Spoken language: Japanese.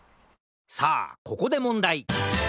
さあここでもんだい。